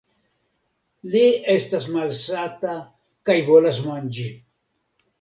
Li estas malsata kaj volas manĝi!